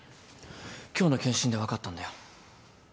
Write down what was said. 今日の健診で分かったんだよ。